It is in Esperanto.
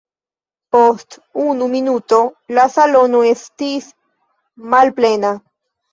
Post unu minuto la salono estis malplena.